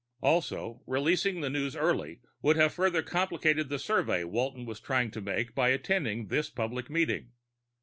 Also, releasing the news early would have further complicated the survey Walton was trying to make by attending this public meeting.